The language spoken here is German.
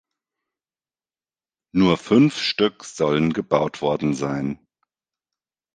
Nur fünf Stück sollen gebaut worden sein.